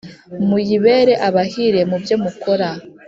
muyibere abahire mubyo mukora